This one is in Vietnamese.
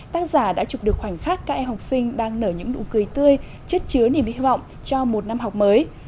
tác giả đã chụp được khoảnh khắc các em học sinh đang nở những nụ cười tươi chất chứa niềm hy vọng cho một năm học mới